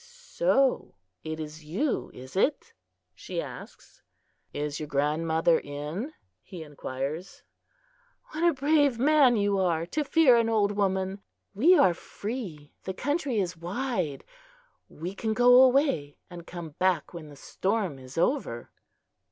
"So it is you, is it?" she asks. "Is your grandmother in?" he inquires. "What a brave man you are, to fear an old woman! We are free; the country is wide. We can go away, and come back when the storm is over."